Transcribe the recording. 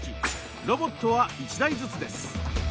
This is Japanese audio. ロボットは１台ずつです。